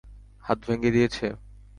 হাত ভেঙ্গে দিয়েছে?